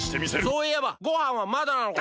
そういえばごはんはまだなのか？